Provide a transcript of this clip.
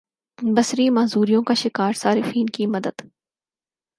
بصری معذوریوں کا شکار صارفین کی مدد